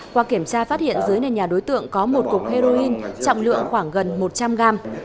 qua kiểm tra phát hiện dưới nền nhà đối tượng có một cục heroin trọng lượng khoảng gần một trăm linh gram